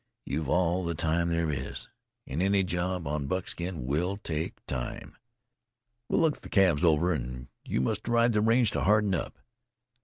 You've all the time there is. An' any job on Buckskin will take time. We'll look the calves over, an' you must ride the range to harden up.